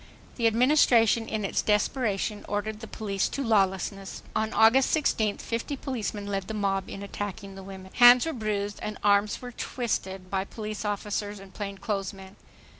The Administration, in its desperation, ordered the police to lawlessness. On August 16th, fifty policemen led the mob in attacking the women. Hands were bruised and arms twisted lit' police officers and plainclothes men.